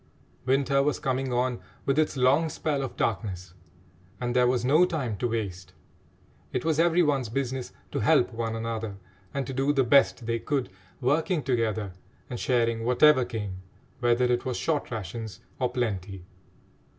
Winter was coming on with its long spell of darkness, and there was no time to waste. It was every one's business to help one another and to do the best they could, working together and sharing whatever came, whether it was short rations or plenty.